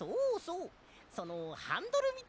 そのハンドルみたいなもの。